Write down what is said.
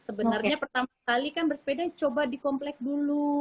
oke sebenarnya pertama kali kan bersepeda coba dikomplek dulu